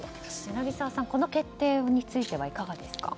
柳澤さん、この決定についてはいかがですか？